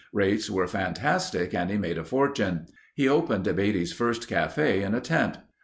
Rates were fantastic and he made a fortune. He opened Beatty's first cafe in a tent.